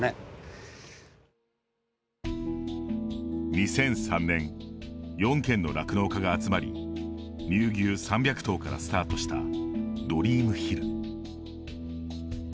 ２００３年４軒の酪農家が集まり乳牛３００頭からスタートしたドリームヒル。